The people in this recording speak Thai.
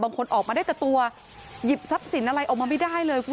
ออกมาได้แต่ตัวหยิบทรัพย์สินอะไรออกมาไม่ได้เลยคุณ